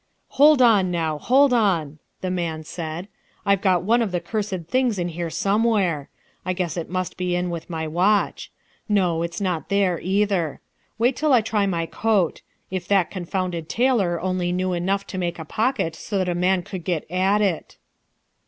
"Hold on, now, hold on!" the man said, "I've got one of the cursed things in here somewhere. I guess it must be in with my watch. No, it's not there either. Wait till I try my coat. If that confounded tailor only knew enough to make a pocket so that a man could get at it!"